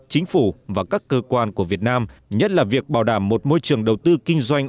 chính phủ và các cơ quan của việt nam nhất là việc bảo đảm một môi trường đầu tư kinh doanh